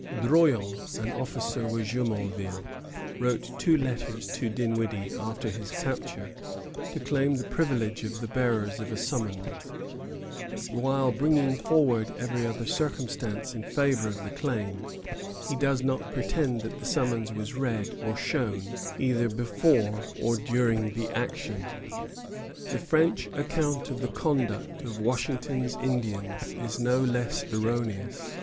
Druillon, an officer with Jumonville, wrote two letters to Dinwiddie after his capture, to claim the privileges of the bearer of a summons; but while bringing forward every other circumstance in favor of the claim, he does not pretend that the summons was read or shown either before or during the action. The French account of the conduct of Washington's Indians is no less erroneous.